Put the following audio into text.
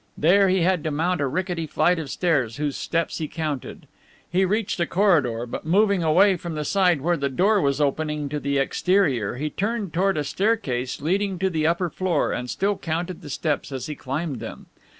There he had to mount a rickety flight of stairs, whose steps he counted. He reached a corridor, but moving away from the side where the door was opening to the exterior he turned toward a staircase leading to the upper floor, and still counted the steps as he climbed them.